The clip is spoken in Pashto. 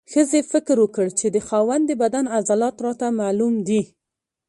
ښځې فکر وکړ چې د خاوند د بدن عضلات راته معلوم دي.